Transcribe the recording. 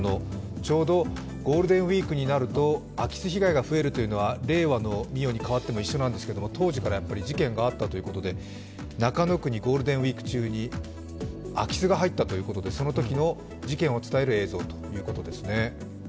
ちょうどゴールデンウイークになると空き巣被害が増えるというのは令和の御代に変わっても一緒なんですけど当時から事件があったということで中野区にゴールデンウイーク中に空き巣が入ったということでそのときの事件を伝える映像ということですね。